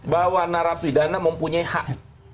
bahwa narapidana mempunyai hak